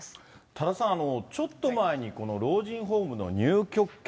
多田さん、ちょっと前に、老人ホームの入居権